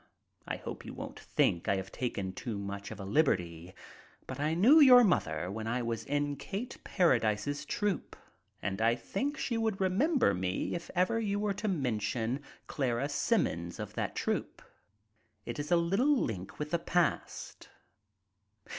I hope you won't think I have taken too much of a liberty — but I knew your mother when I was in Kate Paradise's troupe, and I think she would remember me if ever you were to mention Clara Symonds of that troupe. It is a little link with the past."